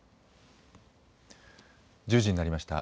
１０時になりました。